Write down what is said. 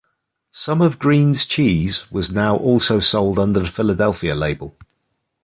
Some of Green's cheese was now also sold under the Philadelphia label.